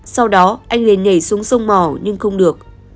sau đó anh lên nhảy xuống sông mỏ nhưng không được